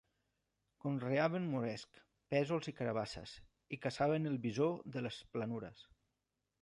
Conreaven moresc, pèsols i carabasses, i caçaven el bisó de les planures.